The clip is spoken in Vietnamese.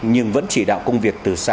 nhưng vẫn chỉ đạo trực tiếp đến người thân